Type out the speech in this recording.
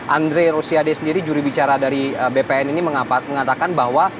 andrei rossiadeh sendiri juri bicara dari bpn mengatakan bahwa